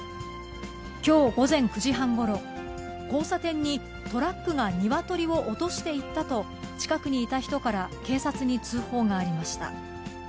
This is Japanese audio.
きょう午前９時半ごろ、交差点にトラックがニワトリを落としていったと、近くにいた人から警察に通報がありました。